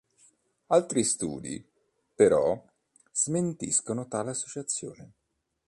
Altri studi, però, smentiscono tale associazione.